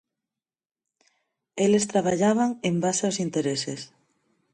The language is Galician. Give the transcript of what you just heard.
Eles traballaban en base aos intereses.